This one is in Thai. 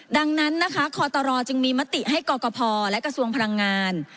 ดังนั้นนะคะคอตรจึงมีมติให้กรกภและกระทรวงพลังงาน